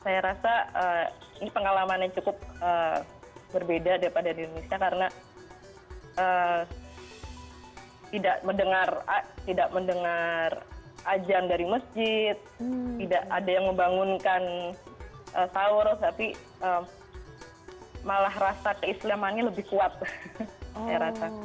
saya rasa ini pengalamannya cukup berbeda daripada di indonesia karena tidak mendengar ajaran dari masjid tidak ada yang membangunkan tawur tapi malah rasa keislamannya lebih kuat saya rasa